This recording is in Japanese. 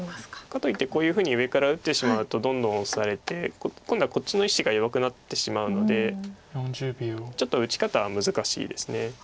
かといってこういうふうに上から打ってしまうとどんどんオサれて今度はこっちの１子が弱くなってしまうのでちょっと打ち方は難しいです。